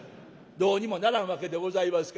どうにもならんわけでございますからね。